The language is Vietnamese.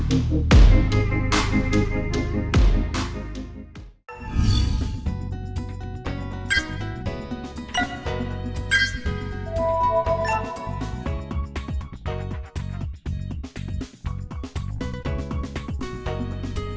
chúng tôi thể biến l clinicians thu tiếp h destroying all io